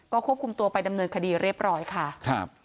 ควบคุมตัวไปดำเนินคดีเรียบร้อยค่ะครับ